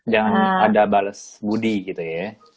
yang ada bales budi gitu ya